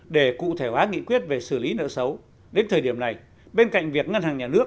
để cụ thể hóa nghị quyết về xử lý nợ xấu đến thời điểm này bên cạnh việc ngân hàng nhà nước